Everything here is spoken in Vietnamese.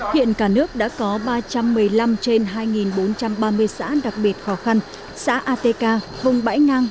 hiện cả nước đã có ba trăm một mươi năm trên hai bốn trăm ba mươi xã đặc biệt khó khăn xã atk vùng bãi ngang